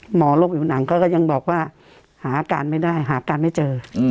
หมอโรคผิวหนังเขาก็ยังบอกว่าหาอาการไม่ได้หาการไม่เจอ